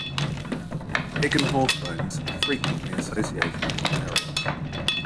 Pig and horse bones are frequently associated with the burials.